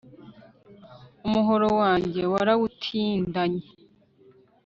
Umuhoro wanjye warawutindanye